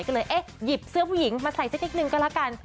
ก็เลยเอ๊ะหยิบเสื้อผู้หญิงมาใส่สักนิดนึงก็แล้วกัน